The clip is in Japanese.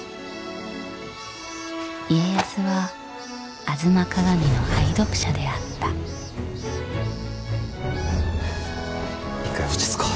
家康は「吾妻鏡」の愛読者であった一回落ち着こう。